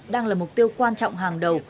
đang là mục tiêu quan trọng hàng đầu